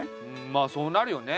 まあそうなるよね。